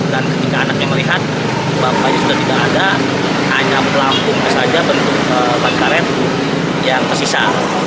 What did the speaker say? dan ketika anaknya melihat bapaknya sudah tidak ada hanya pelampung saja bentuk barang karet yang tersisa